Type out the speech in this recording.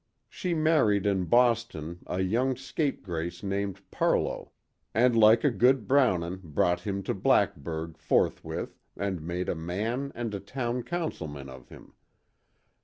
She married in Boston a young scapegrace named Parlow, and like a good Brownon brought him to Blackburg forthwith and made a man and a town councilman of him.